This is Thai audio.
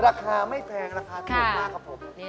รักษาไม่แพงรักษาถูกมากครับผม